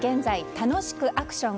楽しくアクション！